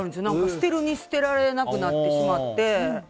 捨てるに捨てられなくなってしまって。